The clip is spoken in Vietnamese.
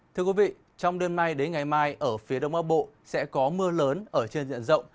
thưa quý vị trong đêm nay đến ngày mai ở phía đông bắc bộ sẽ có mưa lớn ở trên diện rộng